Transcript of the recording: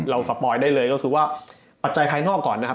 สปอยได้เลยก็คือว่าปัจจัยภายนอกก่อนนะครับ